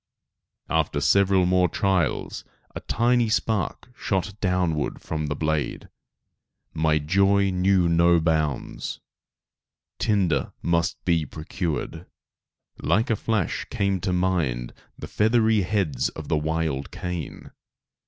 After several more trials, a tiny spark shot downward from the blade. My joy knew no bounds. Tinder must be procured. Like a flash came to my mind the feathery heads of the wild cane.